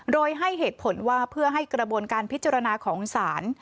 โดยให้เหตุผลว่าเพื่อให้กระบวนการพิจารณาของศาล